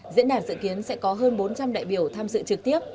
diễn đàn dự kiến sẽ có hơn bốn trăm linh đại biểu tham dự trực tiếp